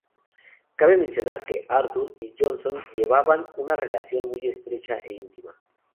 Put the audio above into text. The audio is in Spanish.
Cabe mencionar que Arthur y Johnson llevaban una relación muy estrecha e íntima.